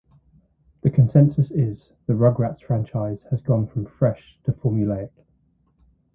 The consensus is, "The "Rugrats" franchise has gone from fresh to formulaic.